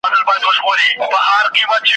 دا پیغام چا رالېږلی؟ کشکي نه مي اورېدلای ,